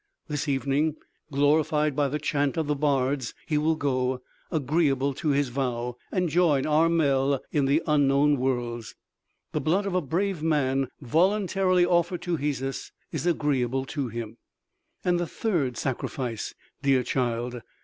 This evening, glorified by the chant of the bards, he will go, agreeable to his vow, and join Armel in the unknown worlds. The blood of a brave man, voluntarily offered to Hesus, is agreeable to him." "And the third sacrifice, dear child?"